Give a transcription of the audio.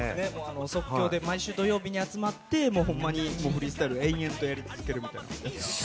即興で毎週土曜日に集まってホンマにフリースタイルで延々とやり続けるみたいなことやってました。